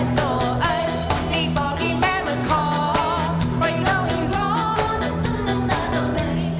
ตัวอันให้บอกให้แม่มันขอให้เราเติมร้อนสิ้นจนอ่อนใจ